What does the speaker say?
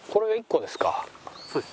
そうです。